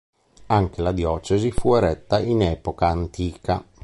Anche la diocesi fu eretta in epoca antica.